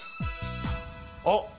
あっ！